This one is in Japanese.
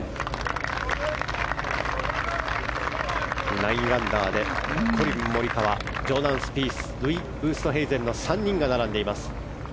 ９アンダーでコリン・モリカワジョーダン・スピースルイ・ウーストヘイゼンの３人が並んでいます。